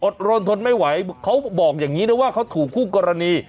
รนทนไม่ไหวเขาบอกอย่างนี้นะว่าเขาถูกคู่กรณี